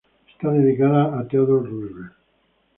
Está dedicada a Theodore Roosevelt.